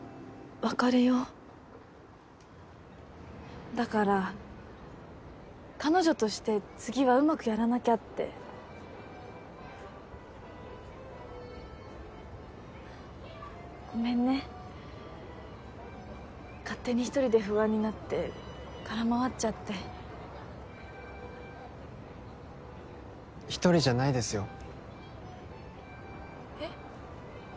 別れようだから彼女として次はうまくやらなきゃってごめんね勝手に一人で不安になって空回っちゃって一人じゃないですよえっ？